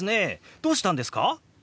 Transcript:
どうしたんですか？